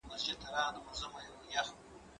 زه به اوږده موده موبایل کار کړی وم،